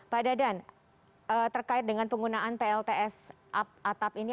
pak dadan terkait dengan penggunaan plts atap ini